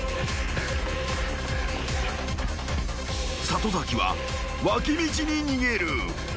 ［里崎は脇道に逃げる］